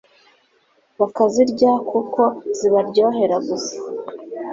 bakazirya kuko zibaryohera gusa